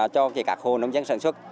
cho các khu nông dân sản xuất